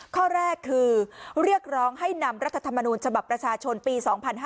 ข้อแรกคือเรียกร้องให้นำรัฐธรรมนูญฉบับประชาชนปี๒๕๕๙